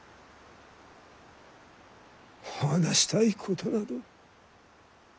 話したいことなど。